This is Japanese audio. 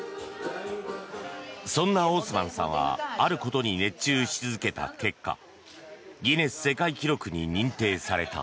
そんなオースマンさんはあることに熱中し続けた結果ギネス世界記録に認定された。